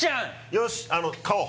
よし買おう！